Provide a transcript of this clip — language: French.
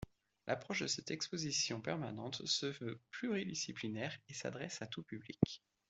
L’approche de cette exposition permanente se veut pluridisciplinaire et s’adresse à tout public.